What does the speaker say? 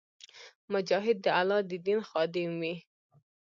مجاهد د الله د دین خادم وي.